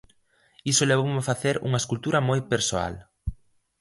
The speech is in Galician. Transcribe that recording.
Iso levoume a facer unha escultura moi persoal.